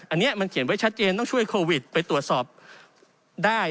อันนี้มันเขียนไว้ชัดเจนต้องช่วยโควิดไปตรวจสอบได้